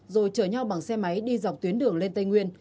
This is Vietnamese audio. rồi chở nhau bằng xe máy đi dọc tuyến đường lên tây nguyên